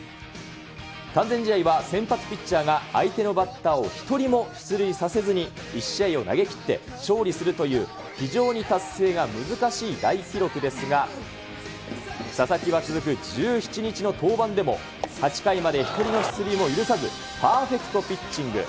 完全試合は、先発ピッチャーが相手のバッターを１人も出塁させずに１試合を投げ切って勝利するという、非常に達成が難しい大記録ですが、佐々木は続く１７日の登板でも、８回まで一人の出塁も許さず、パーフェクトピッチング。